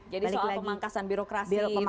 jadi soal pemangkasan birokrasi gitu ya